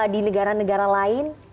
di negara negara lain